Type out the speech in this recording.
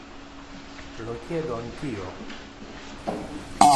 Lo chiedo anch'io.